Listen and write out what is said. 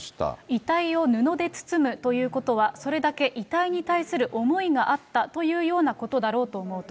遺体を布で包むということは、それだけ遺体に対する思いがあったというようなことだろうと思うと。